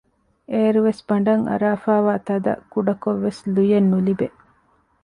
އޭރުވެސް ބަނޑަށް އަރާފައިވާ ތަދަށް ކުޑަކޮށްވެސް ލުޔެއް ނުލިބޭ